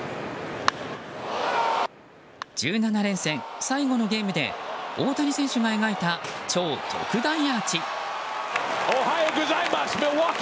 １７連戦最後のゲームで大谷選手が描いた超特大アーチ。